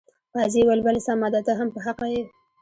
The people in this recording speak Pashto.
قاضي وویل بلې سمه ده ته هم په حقه یې.